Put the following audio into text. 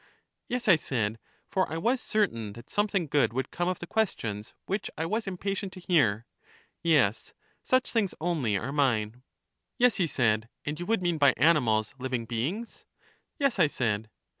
Yes, I said (for I was certain that something good would come of the questions, which I was impatient to hear) ; yes, such things only are mine. Yes, he said, and you would mean by animals liv ing beings? Yes, I said.